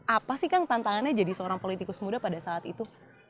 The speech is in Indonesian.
apa sih kang tantangannya jadi seorang politikus muda pada saat itu